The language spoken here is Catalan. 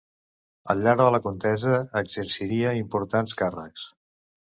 Al llarg de la contesa exerciria importants càrrecs.